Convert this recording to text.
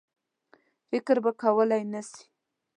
فکر به کولای نه سي.